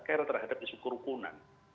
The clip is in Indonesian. care terhadap isu kerupunan